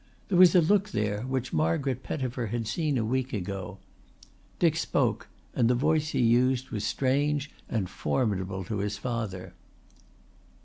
There was a look there which Margaret Pettifer had seen a week ago. Dick spoke and the voice he used was strange and formidable to his father.